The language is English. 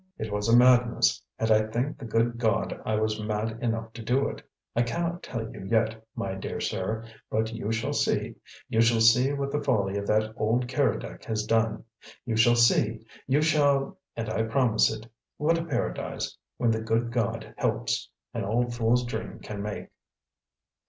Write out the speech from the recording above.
It was a madness, and I thank the good God I was mad enough to do it. I cannot tell you yet, my dear sir: but you shall see, you shall see what the folly of that old Keredec has done! You shall see, you shall and I promise it what a Paradise, when the good God helps, an old fool's dream can make!"